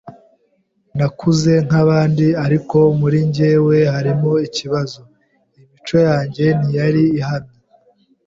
Nakuze nk’abandi, ariko muri jyewe harimo ikibazo: imico yanjye ntiyari ihamye.